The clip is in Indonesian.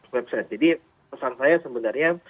website jadi pesan saya sebenarnya